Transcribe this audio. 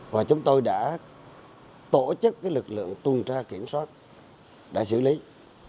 và chúng tôi đã tổ chức lực lượng tuần tra kiểm soát đã xử lý